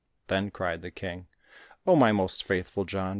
Then cried the King, "Oh, my most Faithful John.